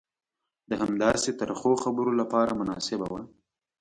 د همداسې ترخو خبرو لپاره مناسبه وه.